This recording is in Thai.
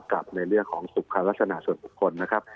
ในเรื่องของสุขภาพลักษณะส่วนคนนะครับ